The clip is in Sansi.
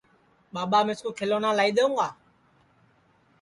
ٻاٻا مِِسکُو کھیلونا لائی دؔیوں گا